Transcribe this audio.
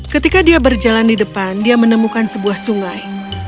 ketika dia berjalan di depan dia menemukan sebuah sungai